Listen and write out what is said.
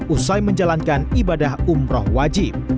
usai menjalankan ibadah umroh wajib